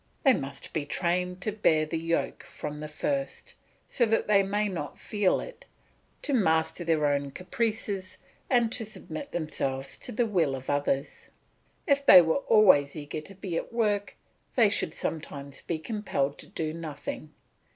They must be trained to bear the yoke from the first, so that they may not feel it, to master their own caprices and to submit themselves to the will of others. If they were always eager to be at work, they should sometimes be compelled to do nothing.